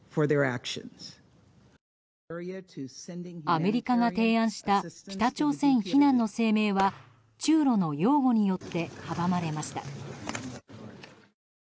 アメリカが提案した北朝鮮非難の声明は中ロの擁護によって阻まれました。